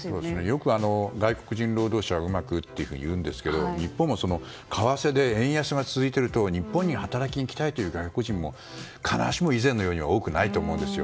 よく外国人労働者をうまくっていうんですけど日本も為替で円安が続いていると日本に働きに期待という外国人も必ずしも以前のように多くないと思うんですよ。